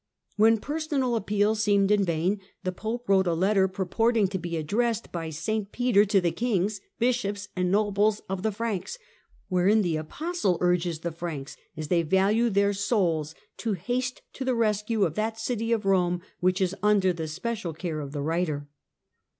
'" When personal appeals seemed in vain, the Pope wrote a letter purporting to be addressed by St. Peter to the kings, bishops and nobles of the Franks, wherein the apostle urges the Franks, as they value their own souls, to haste to the rescue of that city of Rome which is under the special care of the writer.